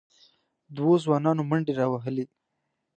دوو ځوانانو منډې راوهلې،